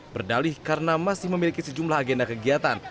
berdalih karena masih memiliki sejumlah agenda kegiatan